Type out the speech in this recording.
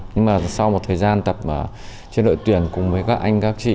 nhưng mà sau một thời gian tập trên đội tuyển cùng với các anh các chị